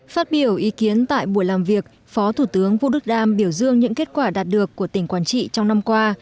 phát biểu ý kiến tại buổi làm việc phó thủ tướng vũ đức đam biểu dương những kết quả đạt được của tỉnh quảng trị trong năm qua